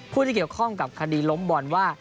ผู้ที่เกี่ยวข้องกับคดีล้มบอลว่า